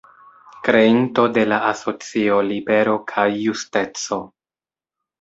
Kreinto de la asocio "Libero kaj Justeco".